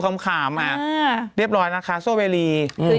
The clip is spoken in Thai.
เขาบอกว่าโซเวรี่